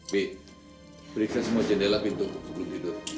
b periksa semua jendela pintu sebelum tidur